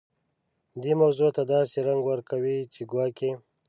دې موضوع ته داسې رنګ ورکوي چې ګواکې.